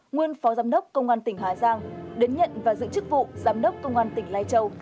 nguyên phó giám đốc công an tỉnh hà giang đến nhận và giữ chức vụ giám đốc công an tỉnh lai châu